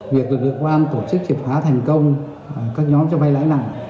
việc được nguyễn quang tổ chức hiệp hóa thành công các nhóm cho vay lãi nặng